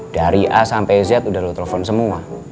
dari a sampai z udah lo telpon semua